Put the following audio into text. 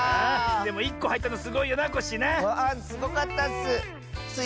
でも１こはいったのすごいよなコッシーな。わすごかったッス！